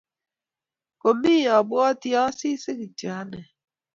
Komi abwati Asisi kityo ane